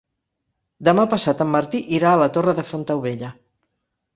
Demà passat en Martí irà a la Torre de Fontaubella.